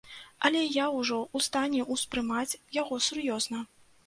Але я ўжо ў стане ўспрымаць яго сур'ёзна.